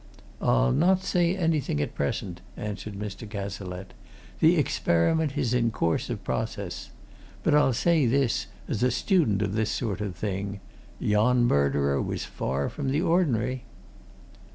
"I'll not say anything at present," answered Mr. Cazalette. "The experiment is in course of process. But I'll say this, as a student of this sort of thing yon murderer was far from the ordinary."